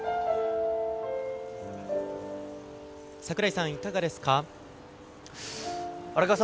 櫻井さん、いかがですか。